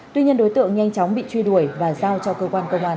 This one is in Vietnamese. tuy nhiên đối tượng nhanh chóng bị truy đuổi và giao cho cơ quan công an